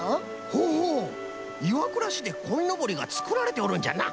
ほほう岩倉市でこいのぼりがつくられておるんじゃな。